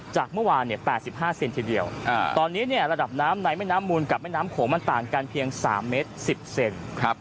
จากเมื่อวานเนี้ยแปดสิบห้าเซนทีเดียวอ่าตอนนี้เนี้ยระดับน้ำในแม่น้ำมูลกับแม่น้ำโขงมันต่างกันเพียงสามเมตรสิบเซนครับ